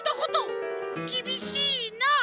きびしいな！